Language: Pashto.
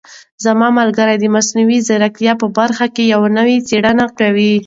زما ملګری د مصنوعي ځیرکتیا په برخه کې یوه نوې څېړنه کوي.